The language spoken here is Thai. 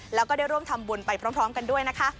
แล้วก็ได้ร่วมทำบุญไปพร้อมกันด้วยนะคะ